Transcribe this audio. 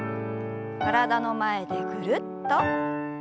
体の前でぐるっと。